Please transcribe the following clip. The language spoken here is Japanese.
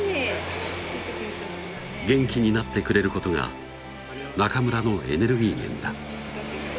元気になってくれることが中村のエネルギー源だ